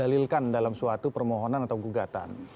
yang ingin didalilkan dalam suatu permohonan atau gugatan